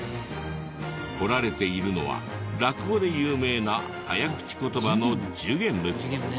彫られているのは落語で有名な早口言葉の『寿限無』。